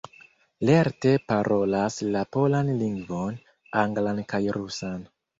Lerte parolas la polan lingvon, anglan kaj rusan.